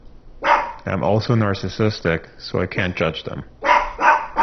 I'm also narcissistic, so I can't judge them.